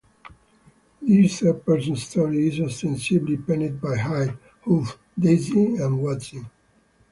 This third-person story is ostensibly penned by Hide, Hoof, Daisy, and Vadsig.